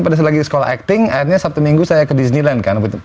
pada saat lagi sekolah acting akhirnya sabtu minggu saya ke disneyland kan